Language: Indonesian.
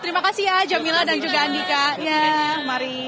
terima kasih ya jamila dan juga andika